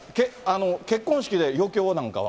結婚式で余興なんかは？